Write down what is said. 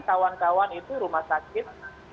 kawan kawan itu rumah sakit